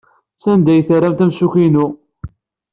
Sanda ay terramt amsukki-inu?